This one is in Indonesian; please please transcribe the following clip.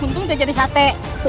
untung udah jadi sate